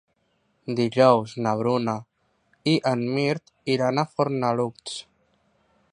Dijous na Bruna i en Mirt iran a Fornalutx.